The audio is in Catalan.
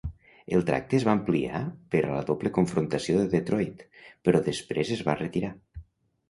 El tracte es va ampliar per a la doble confrontació de Detroit, però després es va retirar.